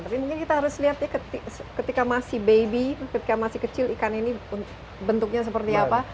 tapi mungkin kita harus lihat ya ketika masih baby ketika masih kecil ikan ini bentuknya seperti apa